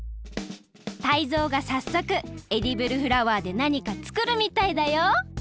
タイゾウがさっそくエディブルフラワーでなにかつくるみたいだよ！